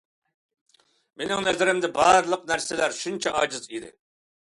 مېنىڭ نەزىرىمدە بارلىق نەرسىلەر شۇنچە ئاجىز ئىدى.